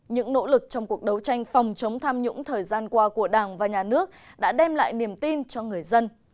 những nỗ lực trong cuộc đấu tranh phòng chống tham nhũng thời gian qua của đảng và nhà nước đã đem lại niềm tin cho người dân